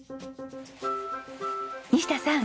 西田さん。